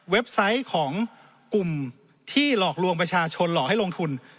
ไซต์ของกลุ่มที่หลอกลวงประชาชนหลอกให้ลงทุน